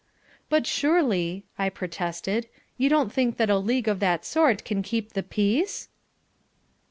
"But surely," I protested, "you don't think that a league of that sort can keep the peace?"